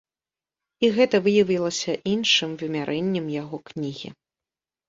І гэта выявілася іншым вымярэннем яго кнігі.